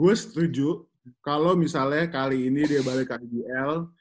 gue setuju kalau misalnya kali ini dia balik ke igl